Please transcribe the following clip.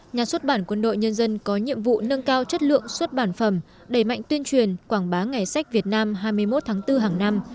nhà xuất bản quân đội nhân dân có nhiệm vụ nâng cao chất lượng xuất bản phẩm đẩy mạnh tuyên truyền quảng bá ngày sách việt nam hai mươi một tháng bốn hàng năm